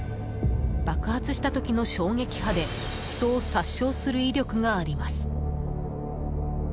爆発した時の衝撃波で人を殺傷する威力があります。